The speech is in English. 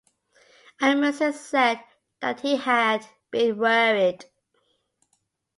Asmussen said that he had been worried.